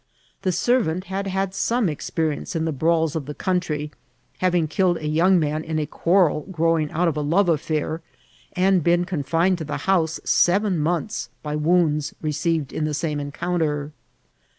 This servant had had some experience in the brawls of the country, having killed a young man in a quarrel growing out of a love af&ir, and been con fined to the house seven months by wounds received in the same encounter.